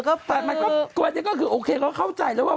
อันนี้ก็คือโอเคเขาเข้าใจว่าว่า